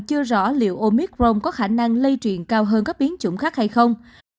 chưa rõ liệu omicron có khả năng lây truyền cao hơn các biến chủng khác hay không